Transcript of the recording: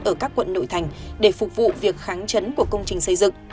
ở các quận nội thành để phục vụ việc kháng chiến của công trình xây dựng